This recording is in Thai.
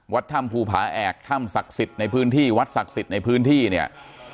ถ้ำภูผาแอกถ้ำศักดิ์สิทธิ์ในพื้นที่วัดศักดิ์สิทธิ์ในพื้นที่เนี่ย